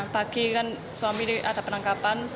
pagi kan suami ada penangkapan